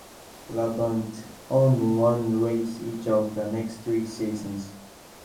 Labonte won one race each of the next three seasons.